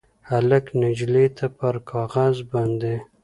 هلک نجلۍ ته پر کاغذ باندې